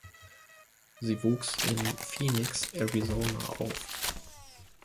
Sie wuchs in Phoenix (Arizona) auf.